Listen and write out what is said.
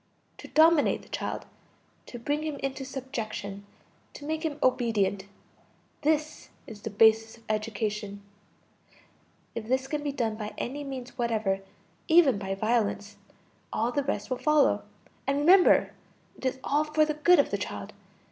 To dominate the child, to bring him into subjection, to make him obedient this is the basis of education. If this can be done by any means whatever, even by violence, all the rest will follow; and remember, it is all for the good of the child.